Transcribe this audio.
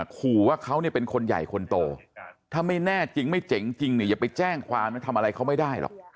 ขู่ว่าเขาเนี่ยเป็นคนใหญ่คนโตถ้าไม่แน่จริงไม่เจ๋งจริงเนี่ยอย่าไปแจ้งความนะทำอะไรเขาไม่ได้หรอก